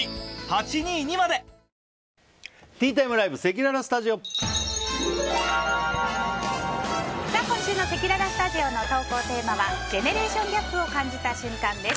今日ご紹介した料理の詳しい作り方は今週のせきららスタジオの投稿テーマはジェネレーションギャップを感じた瞬間です。